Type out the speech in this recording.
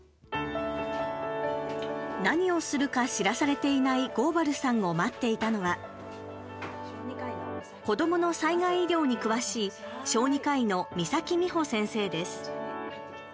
何をするか知らされていない合原さんを待っていたのは子どもの災害医療に詳しい小児科医の岬美穂先生です。